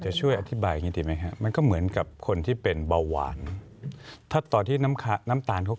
จะช่วยอธิบายกันดีไหมครับมันก็เหมือนกับคนที่เป็นเบาหวานถ้าตอนน้ำขาดน้ำตาลเขา